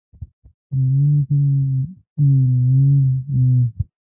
زامنو ته مې وویل نور نو.